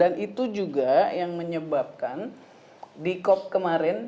dan itu juga yang menyebabkan di kop kemarin